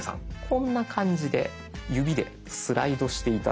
こんな感じで指でスライドして頂くと。